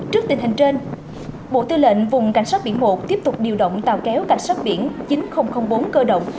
trước tình hình trên bộ tư lệnh vùng cảnh sát biển một tiếp tục điều động tàu kéo cảnh sát biển chín nghìn bốn cơ động